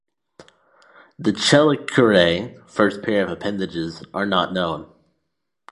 The chelicerae (first pair of appendages) are not known.